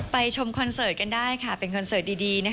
ชมคอนเสิร์ตกันได้ค่ะเป็นคอนเสิร์ตดี